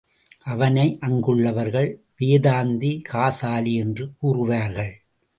அவனை அங்குள்ளவர்கள் வேதாந்தி காசாலி என்று கூறுவார்கள்.